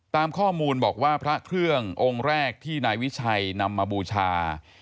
ตามข้อมูลบอกว่าพระเครื่ององค์แรกที่นายวิชัยนำมาบูชา